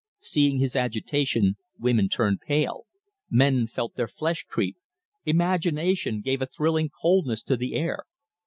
Seeing his agitation, women turned pale, men felt their flesh creep, imagination gave a thrilling coldness to the air.